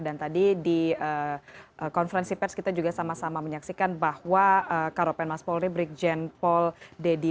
dan tadi di konferensi pers kita juga sama sama menyaksikan bahwa karopen mas polri brigjen pol deddy